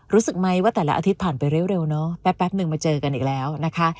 รู้สึกไหมว่าแต่ละอาทิตย์ผ่านไปเร็วเนอะแป๊บนึงมาเจอกันอีกแล้วนะคะ